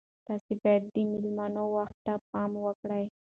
تاسي باید د میلمنو وخت ته پام وکړئ.